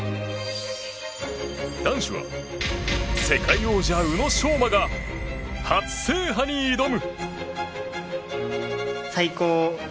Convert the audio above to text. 男子は世界王者宇野昌磨が初制覇に挑む。